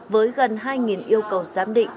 với gần hai yêu cầu giám định